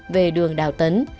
về đường đào tấn